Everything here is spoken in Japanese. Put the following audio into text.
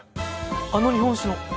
あの日本酒の？